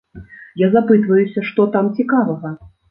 Я запытваюся, што там цікавага.